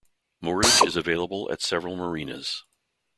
Moorage is available at several marinas.